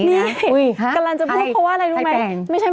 นี่กำลังจะพูดเพราะว่าอะไรรู้ไหม